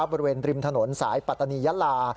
บริเวณริมถนนสายปัตตานียะลา